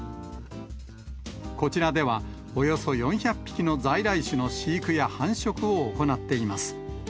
こちらでは、およそ４００匹の在来種の飼育や繁殖を行っています。